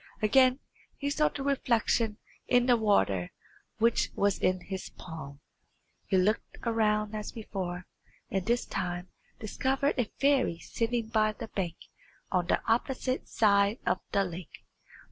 Again he saw the reflection in the water which was in his palm. He looked around as before, and this time discovered a fairy sitting by the bank on the opposite side of the lake.